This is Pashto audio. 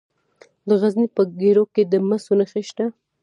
د غزني په ګیرو کې د مسو نښې شته.